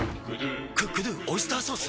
「クックドゥオイスターソース」！？